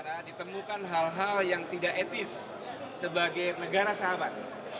karena ditemukan hal hal yang tidak etis sebagai negara sahabat